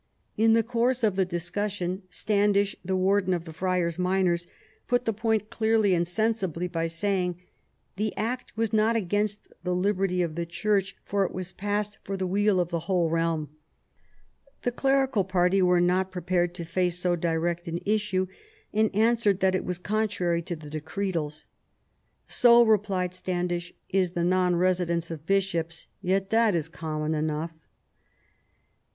In the course of the discussion Standish, the Warden of the Friars Minors, put the point clearly and sensibly by saying, " The Act was not against the liberty of the Church, for it was passed for the weal of the whole realm." The clerical party were not prepared to face so direct an issue, and answered that it was contrary to the decretals. " So," replied Standish, "is the non residence of bishops; yet that is common enough."